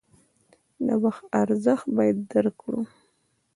د وخت ارزښت باید درک کړو.